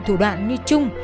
thủ đoạn như trung